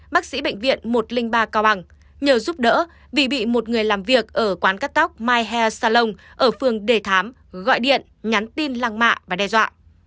bác sĩ bệnh viện một trăm linh ba cao bằng nhờ giúp đỡ vì bị một người làm việc ở quán cắt tóc mai heal salon ở phường đề thám gọi điện nhắn tin lăng mạ và đe dọa